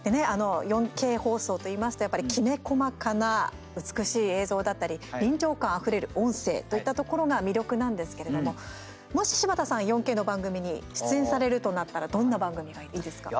４Ｋ放送といいますときめ細かな美しい映像だったり臨場感あふれる音声といったところが魅力なんですけれども柴田さんが、この４Ｋの番組に出演されるとなったらどんな番組がいいですか？